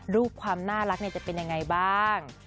รูปความน่ารักจะเป็นยังไงบ้าง